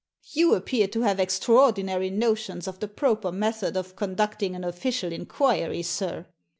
You appear to have extra ordinary notions of the proper method of conducting an official inquiry, sir!